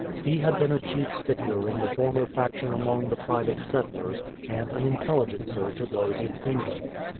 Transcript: He had been a chief stick ler in the former faction among the private settlers, and an intelligencer to those in England.